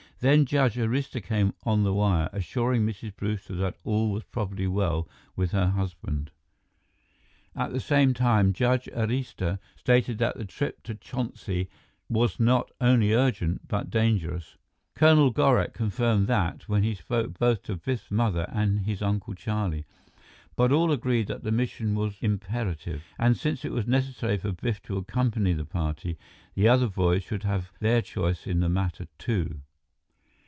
Then Judge Arista came on the wire, assuring Mrs. Brewster that all was probably well with her husband. At the same time, Judge Arista stated that the trip to Chonsi was not only urgent but dangerous. Colonel Gorak confirmed that when he spoke both to Biff's mother and his Uncle Charlie. But all agreed that the mission was imperative, and since it was necessary for Biff to accompany the party, the other boys should have their choice in the matter, too.